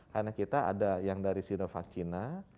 karena kita ada yang dari sinovac china